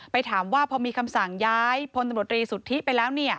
ถามว่าพอมีคำสั่งย้ายพลตำรวจรีสุทธิไปแล้ว